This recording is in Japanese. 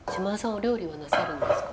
お料理はなさるんですか？